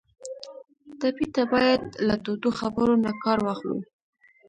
ټپي ته باید له تودو خبرو نه کار واخلو.